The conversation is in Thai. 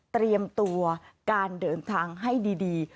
เตรียมตัวการเดินทางให้ดี